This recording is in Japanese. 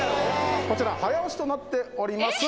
こちら早押しとなっております